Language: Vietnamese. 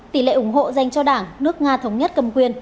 tỷ lệ ủng hộ dành cho đảng đảng cộng sản liên bang nga bốn mươi tám triệu đồng